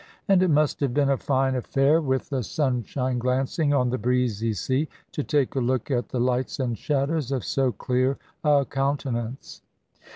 And it must have been a fine affair, with the sunshine glancing on the breezy sea, to take a look at the lights and shadows of so clear a countenance.